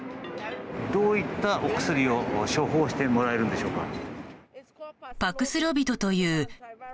どういったお薬を処方してもらえるんでしょうか。